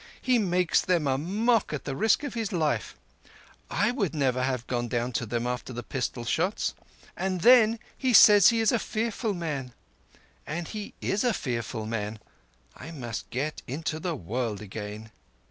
He makes them a mock at the risk of his life—I never would have gone down to them after the pistol shots—and then he says he is a fearful man ... And he is a fearful man. I must get into the world again."